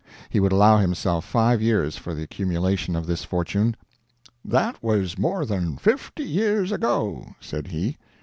He would allow himself five years for the accumulation of this fortune. "That was more than fifty years ago," said he.